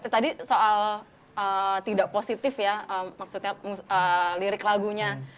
tadi soal tidak positif ya maksudnya lirik lagunya